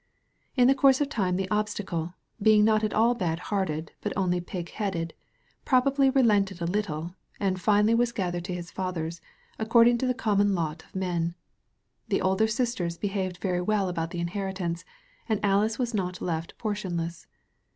In the course of time the Obstacle, being not at all bad hearted but only pig headed, probably relented a little, and finally was gathered to his fathers, ac cording to the common lot of man. The older sis ters behaved very well about the inheritance, and Alice was not left portionless.